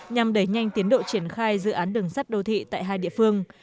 nhằm đẩy nhanh tiến độ triển khai dự án đường sắt đô thị tại hai địa phương